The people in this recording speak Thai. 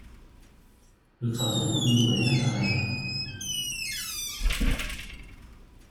หรือเขาจะถูกดึงดูดให้ทำลาย